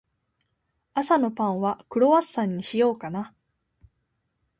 朝のパンは、クロワッサンにしようかな。